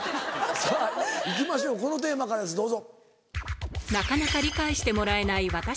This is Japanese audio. さぁ行きましょうこのテーマからですどうぞ。